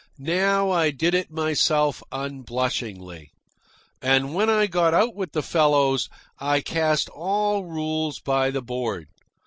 Now I did it myself unblushingly. And when I got out with the fellows, I cast all rules by the board.